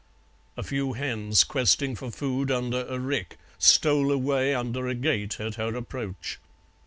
A few hens, questing for food under a rick, stole away under a gate at her approach.